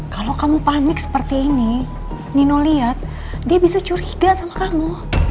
kalau kamu panik seperti ini nino lihat dia bisa curiga sama kamu